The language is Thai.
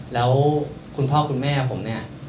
แล้วคุณพ่อคุณแม่ผมเนี่ย